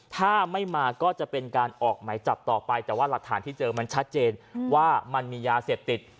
ถ้าไม่มาก็จะเป็นการออกหมายจับต่อไปแต่ว่าหลักฐานที่เจอมันชัดเจนว่ามันมียาเสพติด